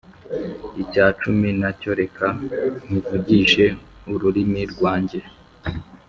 icya cumi na cyo reka nkivugishe ururimi rwanjye.